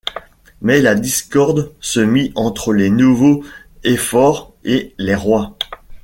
Mais la discorde se mit entre les nouveaux éphores et les rois.